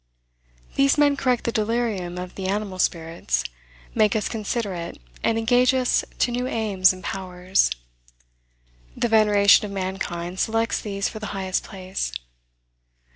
These men correct the delirium of the animal spirits, make us considerate, and engage us to new aims and powers. The veneration of mankind selects these for the highest place.